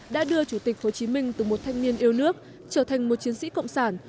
đã đưa chủ tịch hồ chí minh từ một thanh niên yêu nước trở thành một chiến sĩ cộng sản